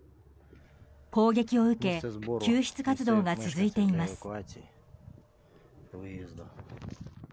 攻撃を受け救出活動が続いています。